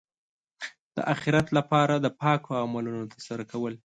د اخرت لپاره د پاکو عملونو ترسره کول.